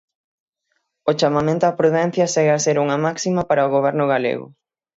O chamamento á prudencia segue a ser unha máxima para o Goberno galego.